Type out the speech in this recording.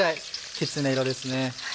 きつね色ですね。